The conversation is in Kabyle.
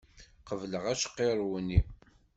Qebleɣ acqiṛew-nni!